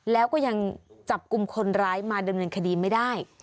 แล้วก็ยังจับกลุ่มคนร้ายมาดำเนินคดีไม่ได้